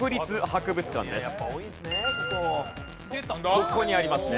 ここにありますね。